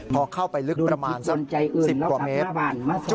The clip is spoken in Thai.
พอเข้าไปลึกประมาณสัก๑๐กว่าเมตร